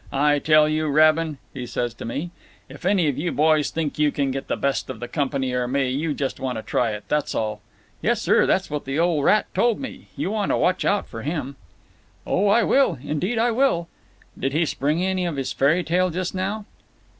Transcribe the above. I tell you, Rabin,' he says to me, 'if any of you boys think you can get the best of the company or me you just want to try it, that's all.' Yessir, that's what the old rat told me. You want to watch out for him." "Oh, I will; indeed I will—" "Did he spring any of this fairy tale just now?"